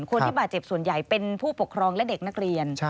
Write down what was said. คนที่บาดเจ็บส่วนใหญ่เป็นผู้ปกครองและเด็กนักเรียน